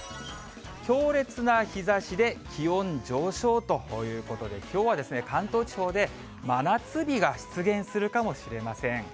強烈な日ざしで気温上昇ということで、きょうはですね、関東地方で真夏日が出現するかもしれません。